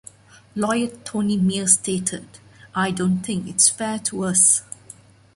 Lawyer Tony Meer stated: I don't think its fair to us.